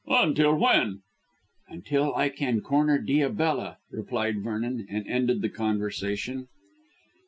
"Until when?" "Until I can corner Diabella," replied Vernon, and ended the conversation.